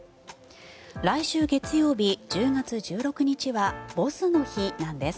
来週月曜日、１０月１６日はボスの日なんです。